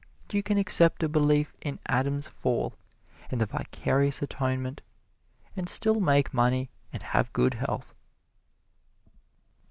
You can accept a belief in Adam's fall and the vicarious atonement and still make money and have good health.